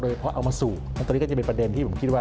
เพราะเอามาสูบตอนนี้ก็จะเป็นประเด็นที่ผมคิดว่า